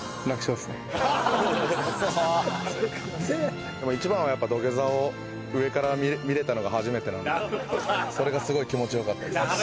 でも一番はやっぱ土下座を上から見れたのが初めてなのでそれがすごい気持ち良かったです。